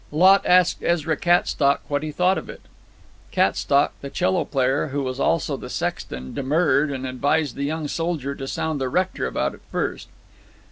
Lot asked Ezra Cattstock what he thought of it. Cattstock, the 'cello player, who was also the sexton, demurred, and advised the young soldier to sound the rector about it first.